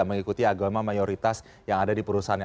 mengikuti agama mayoritas yang ada di perusahaannya